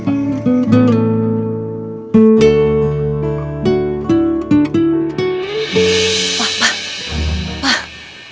pak pak pak